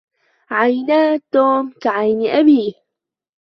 عينا توم كعيني أبيه.